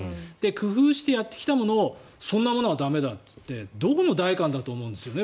工夫してやってきたものをそんなものは駄目だといってどこの代官だと思うんです。